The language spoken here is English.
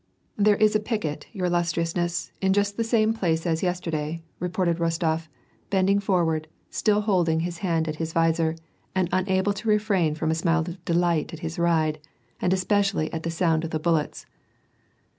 "There is a picket, your illustrioiisness, in just the same place as yesterday," reported Rostof, bending forward, still holding his hand at his visor, and unable to refrain from a smile of delight at his ride, and especially at the sound of the bullets.